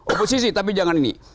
oposisi tapi jangan ini